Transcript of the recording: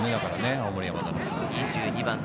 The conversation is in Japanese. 青森山田の。